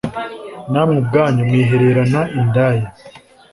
namwe ubwanyu mwihererana indaya,